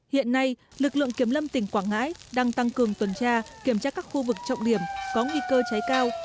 hiện nay lực lượng kiểm lâm tỉnh quảng ngãi đang tăng cường tuần tra kiểm tra các khu vực trọng điểm có nguy cơ cháy cao